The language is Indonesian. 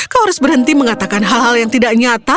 kau harus berhenti mengatakan hal hal yang tidak nyata